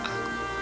sampai jumpa lagi